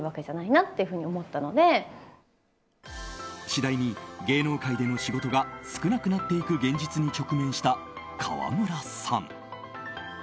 次第に芸能界での仕事が少なくなっていく現実に直面した川村さん。